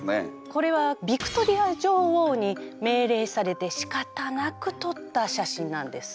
これはビクトリア女王に命令されてしかたなく撮った写真なんです。